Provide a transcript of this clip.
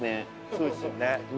そうですよね。